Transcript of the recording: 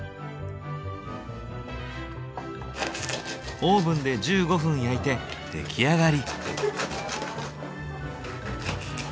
オーブンで１５分焼いて出来上がり。